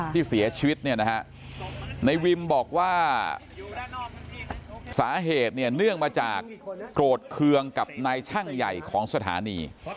ที่เสียชีวิตเนี่ยนะฮะในวิมบอกว่าสาเหตุเนี่ยเนื่องมาจากโกรธเคืองกับนายช่างใหญ่ของสถานี